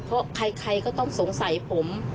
เพราะใครก็ต้องสงสัยผม